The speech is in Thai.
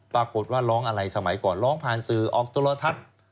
ปรากฏว่าร้องอะไรสมัยก่อนร้องผ่านสื่อออกโทรทัศน์